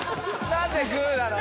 ⁉何でグーなの？